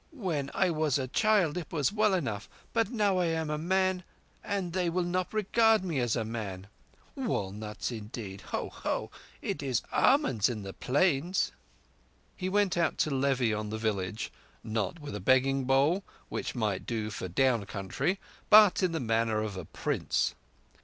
When I was a child it was well enough, but now I am a man and they will not regard me as a man. Walnuts, indeed! Ho! ho! It is almonds in the Plains!" He went out to levy on the village—not with a begging bowl, which might do for down country, but in the manner of a prince.